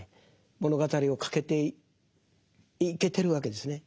物語を書けていけてるわけですね。